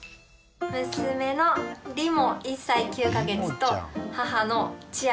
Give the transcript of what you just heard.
娘のりも１歳９か月と母の千晃です。